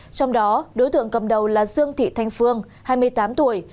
trong đó đối tượng cầm đầu là dương thị thanh phương hai mươi tám tuổi